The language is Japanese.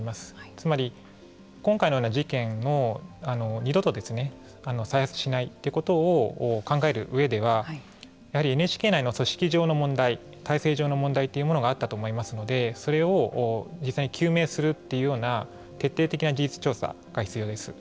つまり今回のような事件を二度と再発しないということを考えるうえではやはりＮＨＫ内の組織上の問題体制上の問題というのがあったと思いますのでそれを実際に究明するというような徹底的な事実調査が必要です。